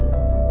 ini buat lo